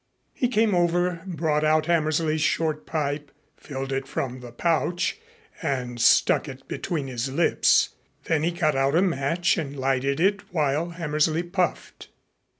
He came over, brought out Hammersley's short pipe, filled it from the pouch and stuck it between his lips. Then he got out a match and lighted it while Hammersley puffed.